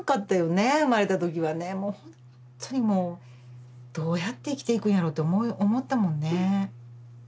生まれた時はねもうほんとにもうどうやって生きていくんやろうって思ったもんね。